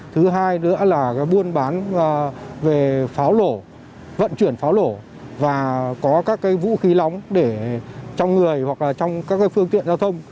thứ hai nữa là buôn bán về pháo lổ vận chuyển pháo lổ và có các vũ khí lóng để trong người hoặc là trong các phương tiện giao thông